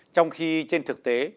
trong khi trên thực tế